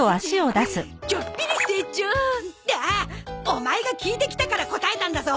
オマエが聞いてきたから答えたんだぞ！